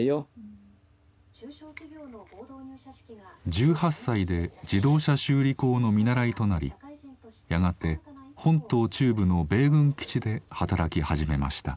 １８歳で自動車修理工の見習いとなりやがて本島中部の米軍基地で働き始めました。